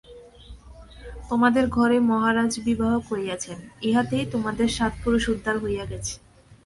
তােমাদের ঘরে মহারাজ বিবাহ করিয়াছেন, ইহাতেই তোমাদের সাত পুরুষ উদ্ধার হইয়া গেছে।